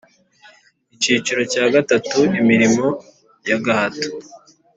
Icyiciro cya gatatu Imirimo y agahato